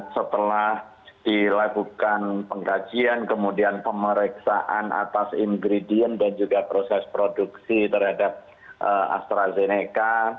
setelah dilakukan pengkajian kemudian pemeriksaan atas ingredient dan juga proses produksi terhadap astrazeneca